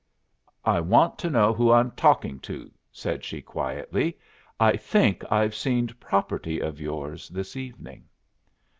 "I want to know who I'm talking to," said she, quietly. "I think I've seen property of yours this evening."